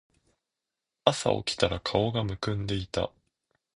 朝起きたら顔浮腫んでいた